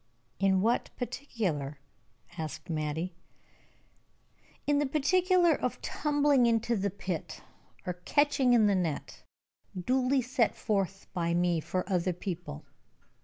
"In what particular?" asked Mattie. "In the particular of tumbling into the pit, or catching in the net, duly set forth by me for other people."